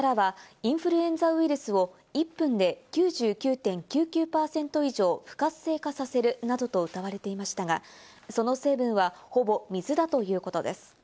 岩の力はインフルエンザウイルスを１分で９９．９９％以上、不活性化させるなどとうたわれていましたが、その成分はほぼ水だということです。